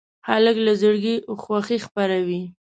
هلک له زړګي خوښي خپروي.